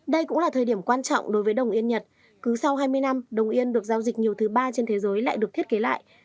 đây cũng là thời điểm quan trọng đối với đồng yên nhật cứ sau hai mươi năm đồng yên được giao dịch nhiều thứ ba trên thế giới lại được thiết kế lại